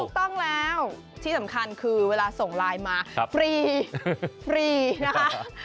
ถูกต้องแล้วที่สำคัญคือเวลาส่งไลน์มาฟรีฟรีนะคะ